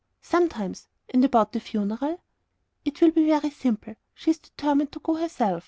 "Sometimes. And about the funeral?" "It will be very simple. She is determined to go herself.